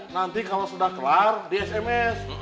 nanti kalau sudah kelar di sms